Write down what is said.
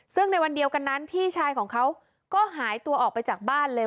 ซึ่งในวันเดียวกันนั้นพี่ชายของเขาก็หายตัวออกไปจากบ้านเลย